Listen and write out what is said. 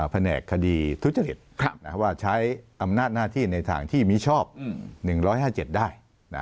แผนกคดีทุจริตว่าใช้อำนาจหน้าที่ในทางที่มิชอบ๑๕๗ได้